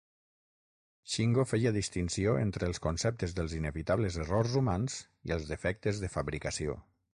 Shingo feia distinció entre els conceptes dels inevitables errors humans i els defectes de fabricació.